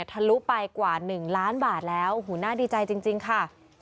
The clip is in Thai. ทะลุไปกว่า๑ล้านบาทแล้วโอ้โหน่าดีใจจริงค่ะ